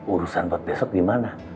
urusan buat besok gimana